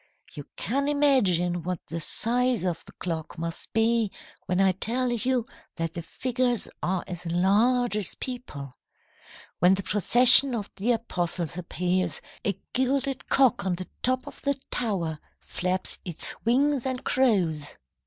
"You can imagine what the size of the clock must be when I tell you that the figures are as large as people. When the procession of the apostles appears, a gilded cock on the top of the tower flaps its wings and crows.